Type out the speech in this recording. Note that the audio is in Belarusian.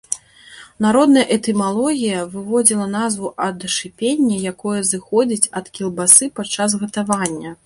Народная этымалогія выводзіла назву ад шыпення, якое зыходзіць ад кілбасы падчас гатавання.